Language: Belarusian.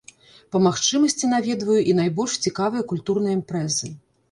Па магчымасці наведваю і найбольш цікавыя культурныя імпрэзы.